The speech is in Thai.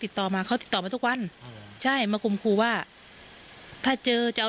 ติดต่อมาเขาติดต่อมาทุกวันใช่มาคมครูว่าถ้าเจอจะเอา